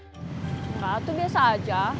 enggak tuh biasa aja